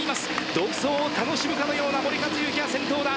独走を楽しむかのような森且行が先頭だ。